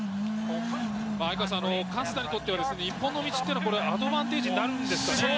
哀川さん、勝田にとっては日本の道というのはアドバンテージになるんですかね。